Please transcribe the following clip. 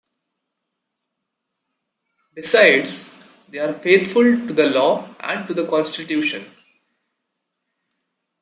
Besides, they are faithful to the law and to the constitution.